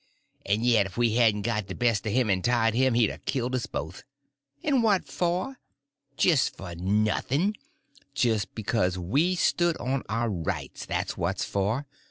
and yit if we hadn't got the best of him and tied him he'd a killed us both. And what for? Jist for noth'n. Jist because we stood on our rights—that's what for.